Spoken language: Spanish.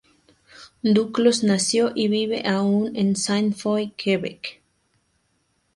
Duclos nació y vive aún en Sainte Foy, Quebec.